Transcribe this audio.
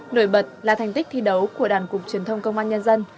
nổi bật là thành tích thi đấu của đảng cục truyền thông công an nhân dân